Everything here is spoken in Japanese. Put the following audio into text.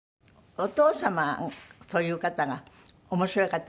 お父様という方が面白い方で。